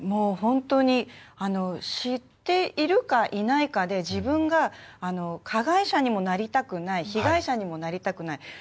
知っているかいないかで自分が加害者にもなりたくない被害者にもなりたくない。